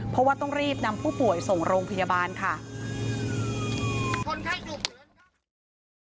เพราะว่าต้องรีบนำผู้ป่วยส่งโรงพยาบาลค่ะ